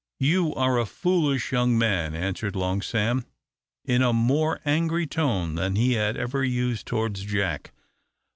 "You are a foolish young man!" answered Long Sam, in a more angry tone than he had ever used towards Jack.